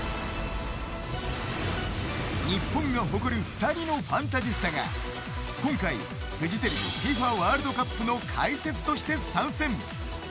日本が誇る２人のファンタジスタが今回、フジテレビＦＩＦＡワールドカップの解説として参戦。